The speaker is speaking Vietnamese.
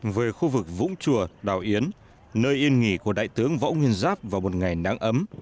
về khu vực vũng chùa đảo yến nơi yên nghỉ của đại tướng võ nguyên giáp vào một ngày nắng ấm